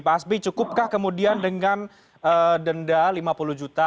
pak hasbi cukupkah kemudian dengan denda lima puluh juta